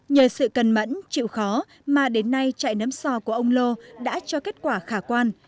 nhờ sự cần mẫn chịu khó mà đến nay trại nấm sò của ông lô đã cho kết quả khả quan